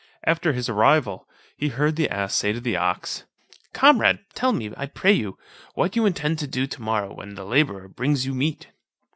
After his arrival, he heard the ass say to the ox "Comrade, tell me, I pray you, what you intend to do to morrow, when the labourer brings you meat?"